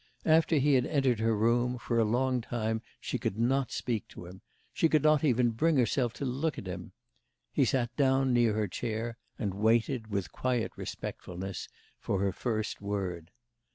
After he had entered her room, for a long time she could not speak to him, she could not even bring herself to look at him; he sat down near her chair, and waited, with quiet respectfulness, for her first word.